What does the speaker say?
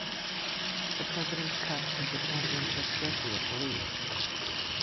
The President's Cup is the championship trophy of the league.